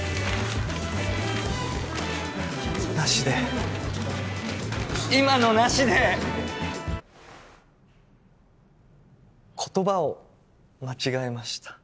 ナシで今のナシで言葉を間違えました